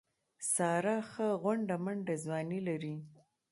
ساره ښه غونډه منډه ځواني لري.